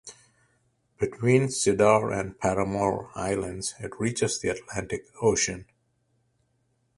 Between Cedar and Parramore Islands it reaches the Atlantic Ocean.